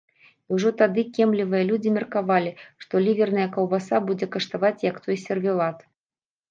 І ўжо тады кемлівыя людзі меркавалі, што ліверная каўбаса будзе каштаваць як той сервелат.